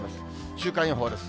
週間予報です。